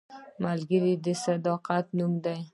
ملګری د صداقت نوم دی